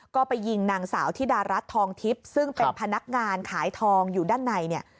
ก็ไปยิงนางสาวธิดารัฐทองทิพย์ซึ่งเป็นพนักงานขายทองอยู่ด้านในเนี่ย